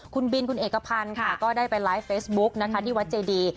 คุณบินคุณเอกพันธ์ค่ะก็ได้ไปไลฟ์เฟซบุ๊กนะคะที่วัดเจดี